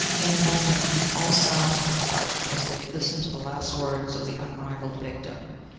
In a moment all sounds were hushed, as they listened to the last words of the unrivalled victim.